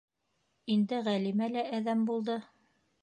Инде Ғәлимә лә әҙәм булды.